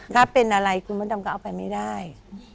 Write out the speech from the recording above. ถ้าเป็นอะไรคุณมดดำก็เอาไปไม่ได้